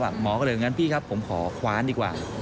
หมอก็เลยงั้นพี่ครับผมขอคว้านดีกว่า